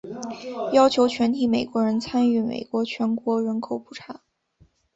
要求全体美国人参与美国全国人口普查。